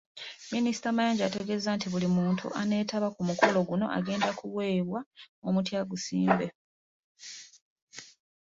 Minisita Mayanja ategezeezza nti buli muntu aneetaba ku mukolo guno agenda kuweebwa omuti agusimbe.